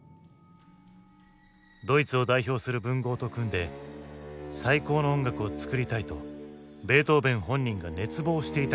ドイツを代表する文豪と組んで最高の音楽を作りたいとベートーヴェン本人が熱望していたことにしたのだ。